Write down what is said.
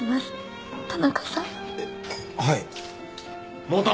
はい！